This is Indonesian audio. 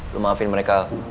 lu maafin mereka